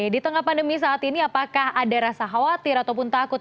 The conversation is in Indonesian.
di tengah pandemi saat ini apakah ada rasa khawatir ataupun takut